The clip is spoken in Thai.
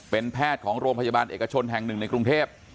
เป็นแพทย์ของโรงพยาบาลเอกชนแห่งหนึ่งในกรุงเทพ